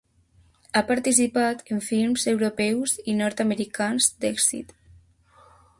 Ha participat en films europeus i nord-americans d'èxit.